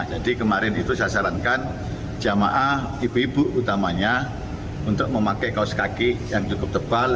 jadi kemarin itu saya sarankan jemaah ibu ibu utamanya untuk memakai kaos kaki yang cukup tebal